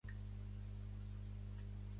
Si en juliol no trona, fam a la porta.